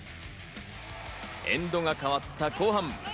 エンドが変わった後半。